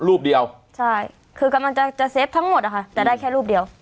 รูปเดียวใช่คือกำลังจะจะเซฟทั้งหมดอะค่ะแต่ได้แค่รูปเดียว